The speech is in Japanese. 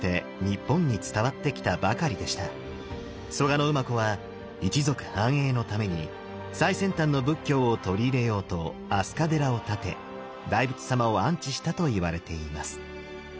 蘇我馬子は一族繁栄のために最先端の仏教を取り入れようと飛鳥寺を建て大仏様を安置したといわれています。